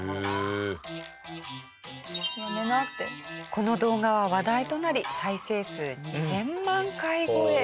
この動画は話題となり再生数２０００万回超え。